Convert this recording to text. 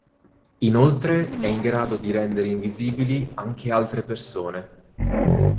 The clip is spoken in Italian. Inoltre è in grado di rendere invisibili anche altre persone.